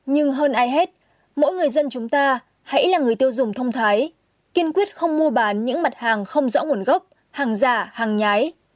nhưng hơn ai hết mỗi người dân chúng ta hãy là người tiêu dùng thông thái kiên quyết không mua bán những mặt hàng không rõ nguồn gốc hàng giả hàng nhái